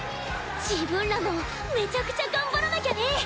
自分らもめちゃくちゃ頑張らなきゃね。